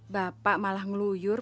bapak malah ngeluyur